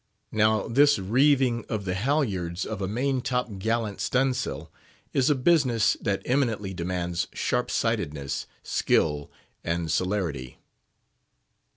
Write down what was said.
Now this reeving of the halyards of a main top gallant stun' sail is a business that eminently demands sharpsightedness, skill, and celerity.